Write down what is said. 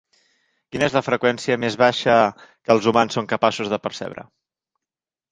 Quina és la freqüència més baixa que els humans són capaços de percebre?